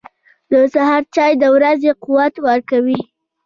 • د سهار چای د ورځې قوت ورکوي.